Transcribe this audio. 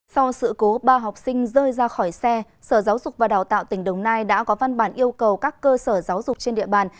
sau sự cố ba học sinh rơi ra khỏi xe sở giáo dục và đào tạo tỉnh đồng nai đã có văn bản yêu cầu các cơ sở giáo dục trên địa bàn